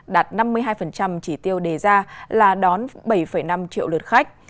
đạt năm mươi hai chỉ tiêu đề ra là đón bảy năm triệu lượt khách